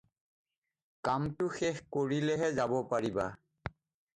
কামটো শেষ কৰিলেহে যাব পাৰিবা।